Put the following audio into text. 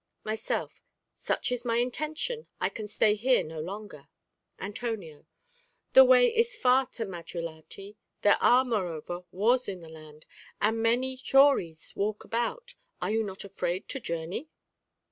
Myself Such is my intention; I can stay here no longer. Antonio The way is far to Madrilati; there are, moreover, wars in the land, and many chories walk about; are you not afraid to journey?